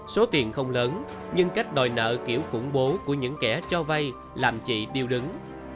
số tiền không lớn nhưng cách đòi nợ kiểu khủng bố của những kẻ cho vay làm chị điêu đứng